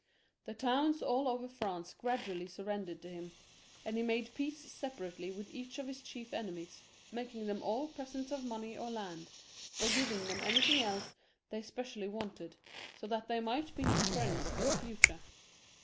The towns all over France went on giving them selves up to him ; and he made peace separately with each of his chief enemies, making them all presents of money or land, or giving them anything else they specially wanted, a06 HENRY IV. [CH. 8o that they might be his Mends for the fatnie.